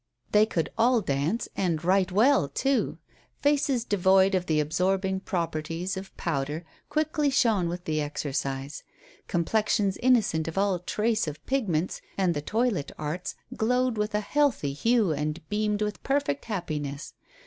They could all dance, and right well, too. Faces devoid of the absorbing properties of powder quickly shone with the exercise; complexions innocent of all trace of pigments and the toilet arts glowed with a healthy hue and beamed with perfect happiness.